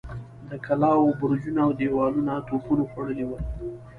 د کلاوو برجونه اودېوالونه توپونو خوړلي ول.